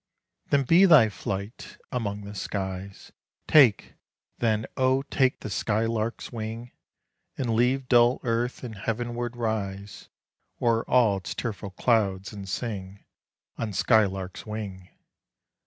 Then be thy flight among the skies: Take, then, oh! take the skylark's wing, And leave dull earth, and heavenward rise O'er all its tearful clouds, and sing On skylark's wing!